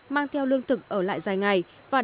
mang theo lương thực ở lại dài ngày